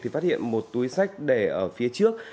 thì phát hiện một túi sách để ở phía trước